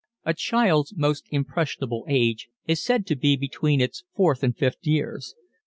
A child's most impressionable age is said to be between its fourth and fifth years.